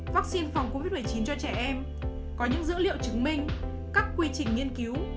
vaccine phòng covid một mươi chín cho trẻ em có những dữ liệu chứng minh các quy trình nghiên cứu